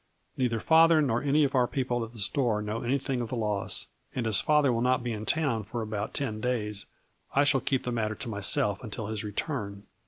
Neither father nor any of our people at the store know anything of the loss, and, as father will not be in town for about ten days, I shall keep the matter to myself until his return.